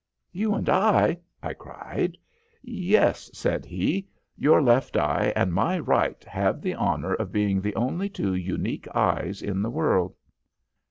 "'You and I?' I cried. "'Yes,' said he. 'Your left eye and my right have the honor of being the only two unique eyes in the world.'